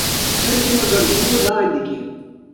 دا د اضافي کار په زیاتوالي سره هم رامنځته کېږي